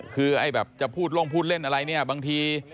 คือจะพูดลงพูดเล่นอะไรบางที